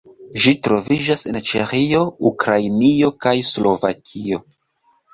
Ĝi troviĝas en Ĉeĥio, Ukrainio, kaj Slovakio.